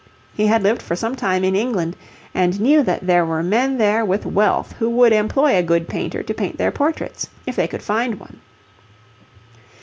He had lived for some time in England and knew that there were men there with wealth who would employ a good painter to paint their portraits if they could find one.